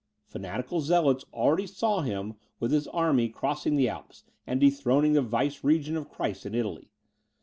Fanatical zealots already saw him, with his army, crossing the Alps, and dethroning the Viceregent of Christ in Italy.